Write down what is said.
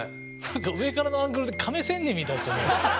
何か上からのアングルで亀仙人みたいですよね。